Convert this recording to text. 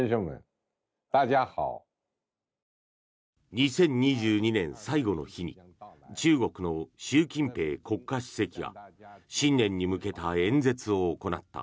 ２０２２年最後の日に中国の習近平国家主席が新年に向けた演説を行った。